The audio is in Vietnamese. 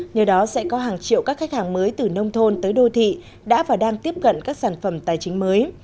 nhờ đó sẽ có hàng triệu các khách hàng mới từ nông thôn tới đô thị đã và đang tiếp cận các sản phẩm tài chính mới